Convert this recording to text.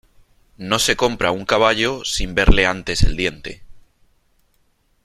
no se compra un caballo sin verle antes el diente .